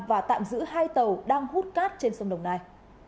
và tạm giữ hai tàu đang hút cát trên sông đồng nai